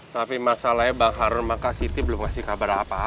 tapi masalahnya bang harun makasiti belum ngasih kabar apa apa ke gua